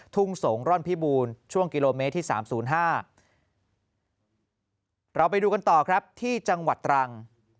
ทุ่งสงร่อนพิบูรณ์ช่วงกิโลเมตรที่๓๐๕เราไปดูกันต่อครับที่จังหวัดตรัง